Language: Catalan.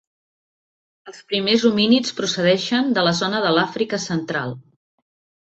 Els primers homínids procedeixen de la zona de l'Àfrica central.